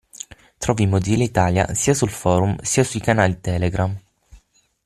Trovi Mozilla Italia sia sul forum sia sui canali Telegram.